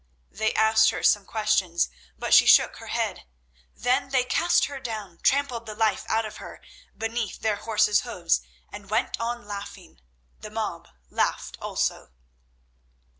They asked her some questions, but she shook her head. Then they cast her down, trampled the life out of her beneath their horses' hoofs, and went on laughing. The mob laughed also.